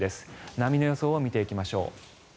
波の予想を見ていきましょう。